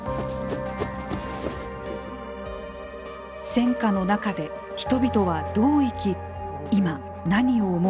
戦火の中で人々はどう生き今何を思うのか。